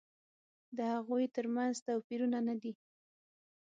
د هغوی تر منځ توپیرونه نه دي.